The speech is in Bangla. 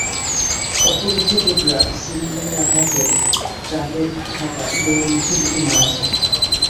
অপর একটি টুকরা সিলিন্ডারের আঘাতে ট্রাকে থাকা গরুর মধ্যে দুটি মারা যায়।